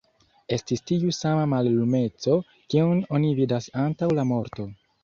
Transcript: Estis tiu sama mallumeco, kiun oni vidas antaŭ la morto!